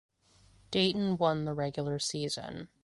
Dayton won the regular season.